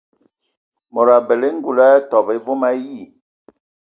Mod abələ ngul ya tobɔ vom ayi.